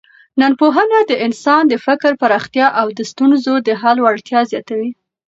ننپوهنه د انسان د فکر پراختیا او د ستونزو د حل وړتیا زیاتوي.